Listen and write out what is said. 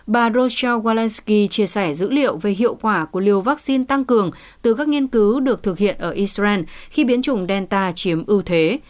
bà roshare walesky chia sẻ dữ liệu về hiệu quả của liều vaccine tăng cường từ các nghiên cứu được thực hiện ở israel khi biến chủng delta chiếm ưu thế